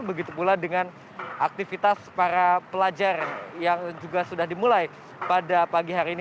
begitu pula dengan aktivitas para pelajar yang juga sudah dimulai pada pagi hari ini